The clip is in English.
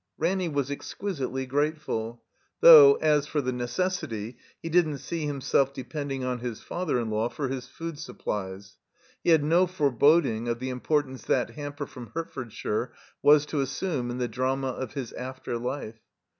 Ranny was exquisitely grateftil; though, as for the necessity, he didn't see himself depending on his father in law for his food supplies. He had no foreboding of the importance that hamper from Hertfordshire was to assume in the drama of his after life.